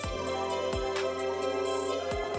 kekuatan yang sangat menarik